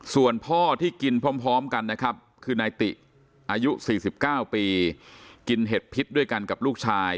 ส่วนพ่อที่กินพร้อมกันนะครับคือนายติอายุ๔๙ปีกินเห็ดพิษด้วยกันกับลูกชาย